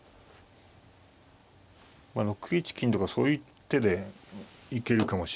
まあ６一金とかそういう手で行けるかもしれませんね。